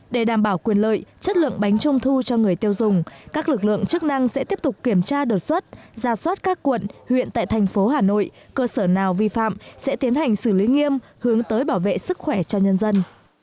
để đảm bảo quyền lợi chất lượng bánh trung thu cho người tiêu dùng các lực lượng chức năng sẽ tiếp tục kiểm tra đột xuất ra soát các quận huyện tại thành phố hà nội cơ sở nào vi phạm sẽ tiến hành xử lý nghiêm hướng tới bảo vệ sức khỏe cho nhân dân